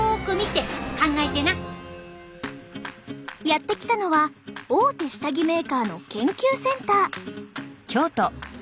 やって来たのは大手下着メーカーの研究センター。